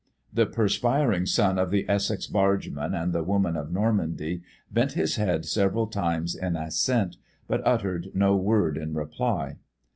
The perspiring son of the Essex bargeman and the woman of Normandy bent his head several times in assent, but uttered no word in reply.